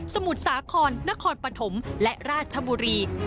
มุทรสาครนครปฐมและราชบุรี